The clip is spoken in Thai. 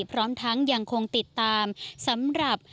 พร้อมทั้งยังคงติดตามสำหรับ